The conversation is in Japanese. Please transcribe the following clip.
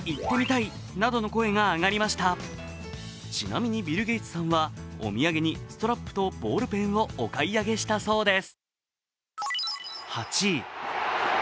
ちなみにビル・ゲイツさんはお土産にストラップとボールペンをお買い上げしたそうです。